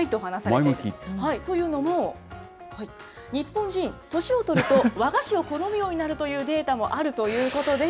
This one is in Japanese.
というのも、日本人、年をとると和菓子を好むようになるというデータもあるということで。